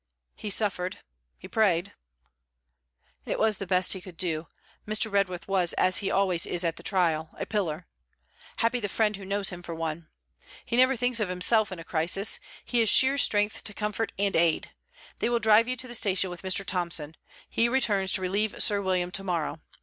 'He suffered; he prayed.' 'It was the best he could do. Mr. Redworth was as he always is at the trial, a pillar. Happy the friend who knows him for one! He never thinks of himself in a crisis. He is sheer strength to comfort and aid. They will drive you to the station with Mr. Thomson. He returns to relieve Sir William to morrow.